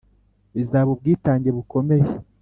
bisaba ubwitange bukomeye,